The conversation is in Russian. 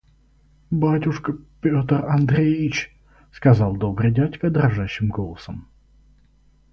– Батюшка Петр Андреич! – сказал добрый дядька дрожащим голосом.